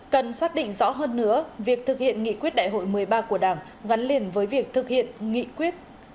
cần xác định rõ hơn nữa việc thực hiện nghị quyết đại hội một mươi ba của đảng gắn liền với việc thực hiện nghị quyết